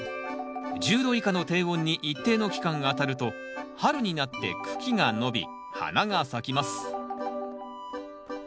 １０度以下の低温に一定の期間あたると春になって茎が伸び花が咲きます